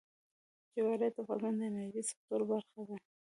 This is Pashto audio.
جواهرات د افغانستان د انرژۍ سکتور برخه ده.